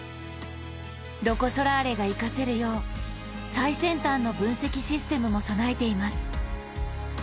ロコ・ソラーレが生かせるよう、最先端の分析システムも備えています。